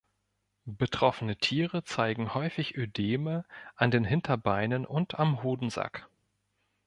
Betroffene Tiere zeigen häufig Ödeme an den Hinterbeinen und am Hodensack.